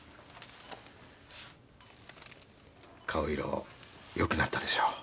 顔色良くなったでしょ。